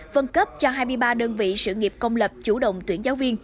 phân cấp cho hai mươi ba đơn vị sự nghiệp công lập chủ động tuyển giáo viên